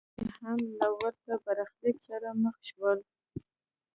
هغوی هم له ورته برخلیک سره مخ شول.